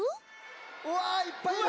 わあいっぱいいる。